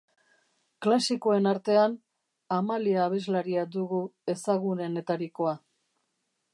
Klasikoen artean, Amalia abeslaria dugu ezagunenetarikoa.